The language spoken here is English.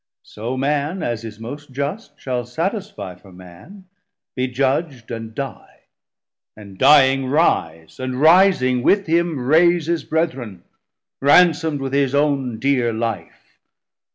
So Man, as is most just, Shall satisfie for Man, be judg'd and die, And dying rise, and rising with him raise His Brethren, ransomd with his own dear life.